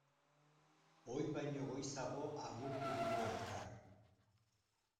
Ohi baino goizago agurtu dugu elkar.